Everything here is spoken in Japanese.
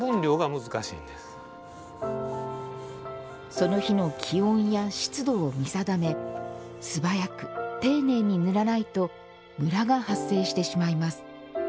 その日の気温や湿度を見定め素早く丁寧に塗らないとむらが発生してしまいます。